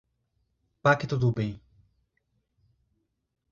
Pacto do bem